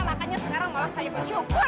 makanya sekarang malah saya bersyukur